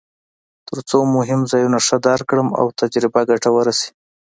ترڅو مهم ځایونه ښه درک کړم او تجربه ګټوره شي.